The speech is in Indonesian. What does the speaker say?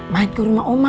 main ke rumah oma